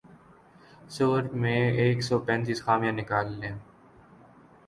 سؤر میں ایک سو پینتیس خامیاں نکال لیں